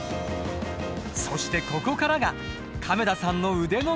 そしてここからが亀田さんの腕の見せどころ。